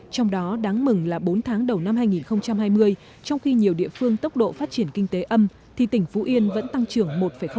trong đó đáng mừng là bốn tháng đầu năm hai nghìn hai mươi trong khi nhiều địa phương tốc độ phát triển kinh tế âm thì tỉnh phú yên vẫn tăng trưởng một ba